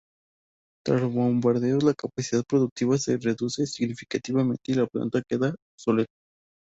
Tras los bombardeos la capacidad productiva se reduce significativamente y la planta queda obsoleta.